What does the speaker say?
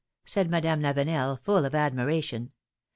said Madame Lavenel, full of admiration.